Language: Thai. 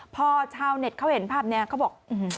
พอชาวเน็ตเขาเห็นภาพนี้เขาบอก